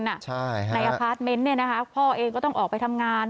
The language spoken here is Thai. ในอพาร์ทเมนต์พ่อเองก็ต้องออกไปทำงาน